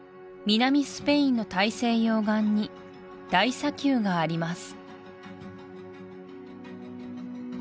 南スペインの大西洋岸に大砂丘があります